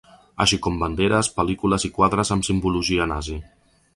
Així com banderes, pel·lícules i quadres amb simbologia nazi.